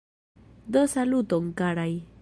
Do saluton, karaj!